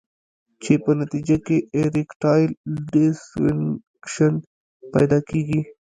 چې پۀ نتېجه کښې ايريکټائل ډسفنکشن پېدا کيږي